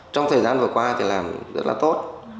trong thời gian vừa qua thì làm rất là tốt